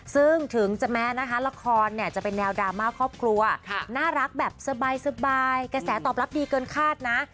ซึ่งถึงจะแม้นะคะละครเนี่ยจะเป็นแนวดราม่าครอบครัวน่ารักแบบสบายกระแสตอบรับดีเกินคาดนะ